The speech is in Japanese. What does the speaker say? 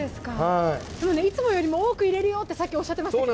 いつもよりも多くいれるよとさっきおっしゃっていましたけど。